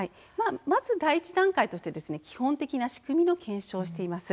まず第１段階としてまず仕組みの検証をしています。